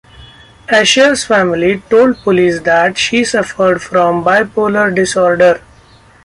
Asher's family told police that she suffered from bipolar disorder.